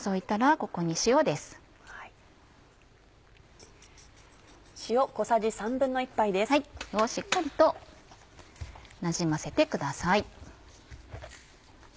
これをしっかりとなじませてください。